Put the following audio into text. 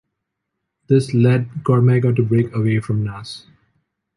This led Cormega to break away from Nas.